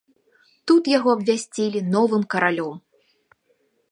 Тут яго абвясцілі новым каралём.